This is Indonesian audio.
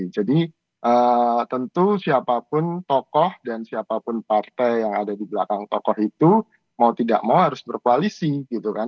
tentu siapapun tokoh dan siapapun partai yang ada di belakang tokoh itu mau tidak mau harus berkoalisi gitu kan